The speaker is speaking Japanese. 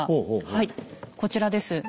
はいこちらです。